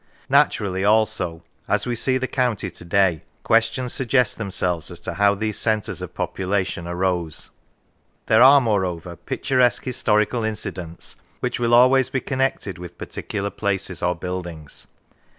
Natur ally, also, as we see the county to day, questions suggest themselves as to how these centres of population arose. There are, moreover, picturesque historical incidents which will always be connected with particular places or buildings.